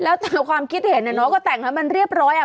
แล้วแต่ความคิดเห็นเนี่ยเนอะก็แต่งนั้นมันเรียบร้อยอ่ะ